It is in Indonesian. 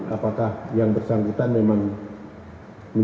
apakah yang bersangkutan memang berdasarkan peran jauh lebih besar